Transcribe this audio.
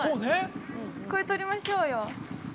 これ撮りましょうよ。